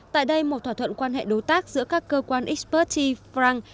tại đây một thỏa thuận quan hệ đối tác giữa các cơ quan expertise frank